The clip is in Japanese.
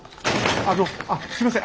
あのあっすいません